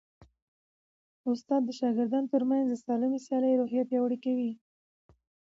استاد د شاګردانو ترمنځ د سالمې سیالۍ روحیه پیاوړې کوي.